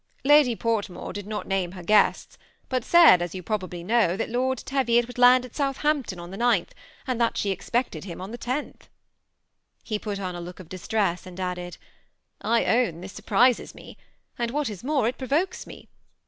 ^ Lady Portmore did not name her guests, but said, as you probably know, that Lord Teviot would land at Southampton on the 9th, and that she expected him on the 10th." He put on . a look of distress, and added, ^I own this surprises me ; and what is more, it pro vokes me.